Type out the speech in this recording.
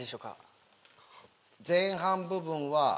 前半部分は。